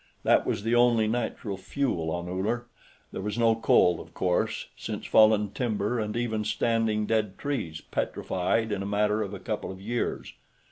That was the only natural fuel on Uller; there was no coal, of course, since fallen timber and even standing dead trees petrified in a matter of a couple of years.